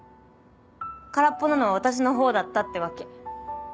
空っぽなのは私のほうだったってわけ。